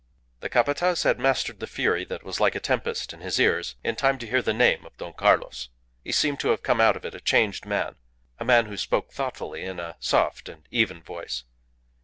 The Capataz had mastered the fury that was like a tempest in his ears in time to hear the name of Don Carlos. He seemed to have come out of it a changed man a man who spoke thoughtfully in a soft and even voice.